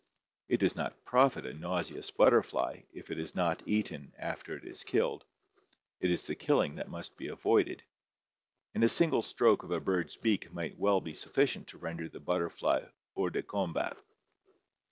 It does not profit a nauseous butterfly if it is not eaten after it is killed, it is the killing that must be avoided, and a single stroke of a bird's beak might well be sufficient to render the butterfly hors de combat.